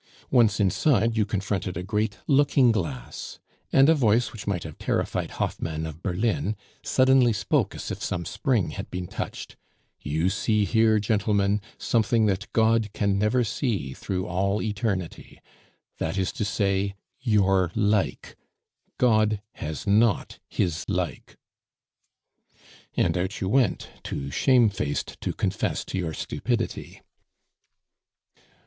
Once inside, you confronted a great looking glass; and a voice, which might have terrified Hoffmann of Berlin, suddenly spoke as if some spring had been touched, "You see here, gentlemen, something that God can never see through all eternity, that is to say, your like. God has not His like." And out you went, too shamefaced to confess to your stupidity.